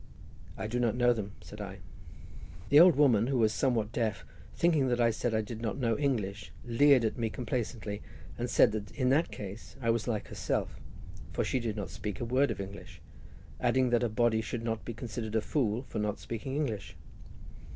"I do not know them," said I. The old lady, who was somewhat deaf, thinking that I said I did not know English, leered at me complacently, and said that in that case I was like herself, for she did not speak a word of English, adding that a body should not be considered a fool for not speaking English.